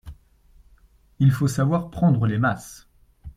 Il faut savoir prendre les masses.